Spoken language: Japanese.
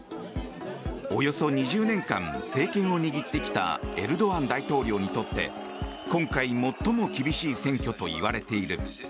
およそ２０年間政権を握ってきたエルドアン大統領にとって今回、最も厳しい選挙といわれている。